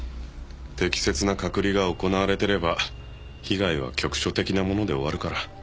適切な隔離が行われてれば被害は局所的なもので終わるから。